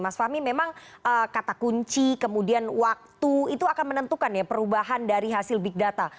mas fahmi memang kata kunci kemudian waktu itu akan menentukan ya perubahan dari hasil big data